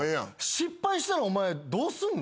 失敗したらお前どうすんの？